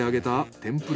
天ぷら？